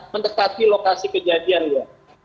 ingin mendekati lokasi kejadiannya